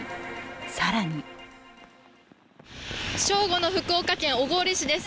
更に正午の福岡県小郡市です。